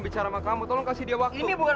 bicara sama kamu tolong kasih dia waktu ini bukan